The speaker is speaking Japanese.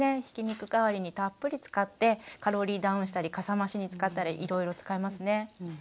ひき肉代わりにたっぷり使ってカロリーダウンしたりかさ増しに使ったりいろいろ使えますね。